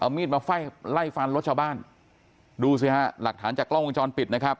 มีดมาไฟไล่ฟันรถชาวบ้านดูสิฮะหลักฐานจากกล้องวงจรปิดนะครับ